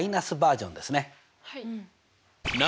はい。